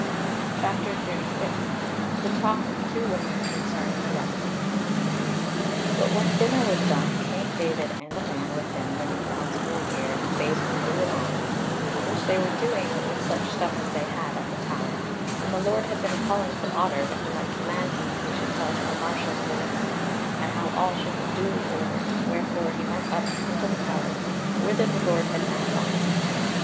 CHAPTER 36 The Talk of Two Women Concerning Ralph But when dinner was done, came David and a man with him bringing Ralph's war gear, and bade him do it on, while the folk were fencing the lists, which they were doing with such stuff as they had at the Tower; and the Lord had been calling for Otter that he might command him what he should tell to the marshals of the lists and how all should be duly ordered, wherefore he went up unto the Tower whither the Lord had now gone.